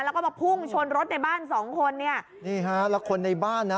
แล้วก็มาพุ่งชนรถในบ้านสองคนเนี่ยนี่ฮะแล้วคนในบ้านนะ